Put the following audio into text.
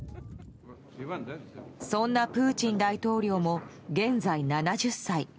そんなプーチン大統領も現在７０歳。